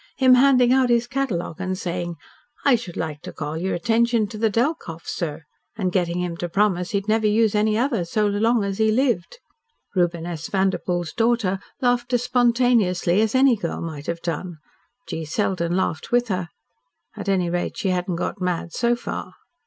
him handing out his catalogue and saying, 'I should like to call your attention to the Delkoff, sir,' and getting him to promise he'd never use any other, as long as he lived!" Reuben S. Vanderpoel's daughter laughed as spontaneously as any girl might have done. G. Selden laughed with her. At any rate, she hadn't got mad, so far.